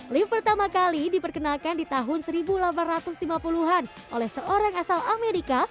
lift pertama kali diperkenalkan di tahun seribu delapan ratus lima puluh an oleh seorang asal amerika